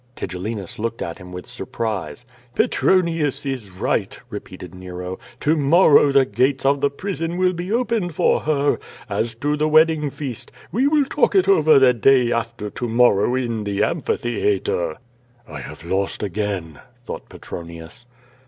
Tigellinus looked at him with surprise. "Petronius is right," repeated Nero. "To morrow the gates of the prison will be opened for her. As to the wedding feast, we will lalk it over the day after to morrow in the amphitheatre. » 472 Q^O VADI8. "I have lost again," thought Petronius.